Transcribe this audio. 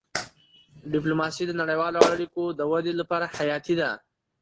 ډيپلوماسي د نړیوالو اړیکو د ودي لپاره حیاتي ده.